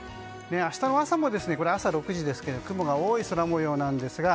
明日の朝も、朝６時ですが雲が多い空模様です。